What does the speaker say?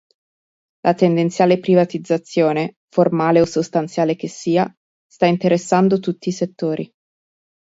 La tendenziale privatizzazione, formale o sostanziale che sia, sta interessando tutti i settori.